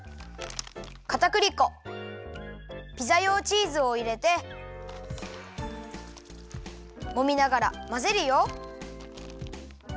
かたくり粉ピザ用チーズをいれてもみながらまぜるよ。